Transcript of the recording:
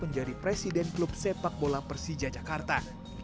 menjadi presiden klub sepak bola persija jakarta